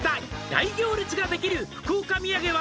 「大行列ができる福岡土産は」